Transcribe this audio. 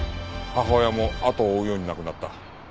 母親もあとを追うように亡くなった。